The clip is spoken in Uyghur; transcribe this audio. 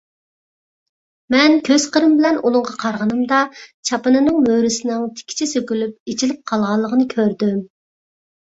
مەن كۆز قىرىم بىلەن ئۇنىڭغا قارىغىنىمدا، چاپىنىنىڭ مۈرىسىنىڭ تىكىچى سۆكۈلۈپ ئېچىلىپ قالغانلىقىنى كۆردۈم.